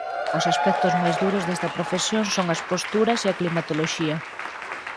Os aspectos máis duros desta profesión son as posturas e a climatoloxía.